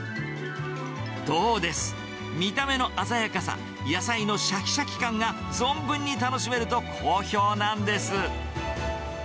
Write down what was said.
どうです、見た目の鮮やかさ、野菜のしゃきしゃき感が存分に楽しめると、好評なんです。